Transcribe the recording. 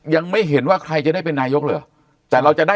ยังไม่เห็นว่าใครจะได้เป็นนายกหรือ